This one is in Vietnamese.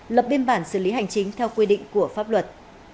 lập biên bản xử lý hành chính theo quy định của pháp luật